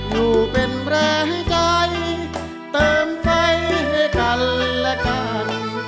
อยู่เป็นแบรนด์ใจเติมไฟให้กันและกัน